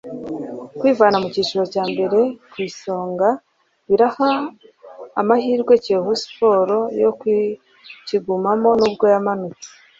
Kwivana mu cyiciro cya mbere ku Isonga biraha amahirwe Kiyovu Sports yo kukigumamo nubwo yamanutse